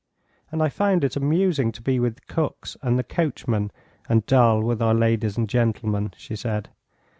"And I found it amusing to be with cooks and the coachmen, and dull with our gentlemen and ladies," she said.